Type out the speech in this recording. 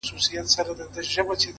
مــروره در څه نـه يمـه ه’